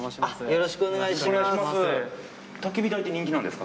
よろしくお願いします。